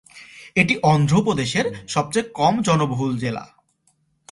এটি অন্ধ্র প্রদেশের সবচেয়ে কম জনবহুল জেলা।